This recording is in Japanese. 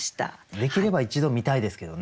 できれば一度見たいですけどね。